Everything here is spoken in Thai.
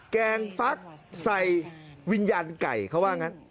แกงฟักใส่วิญญาณไก่เขาว่างั้น